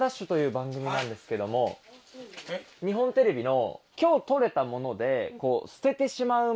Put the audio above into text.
日本テレビの。